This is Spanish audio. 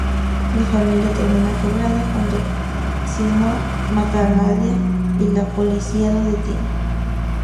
La familia termina quebrada cuando Simone mata a Nadia y la policía lo detiene.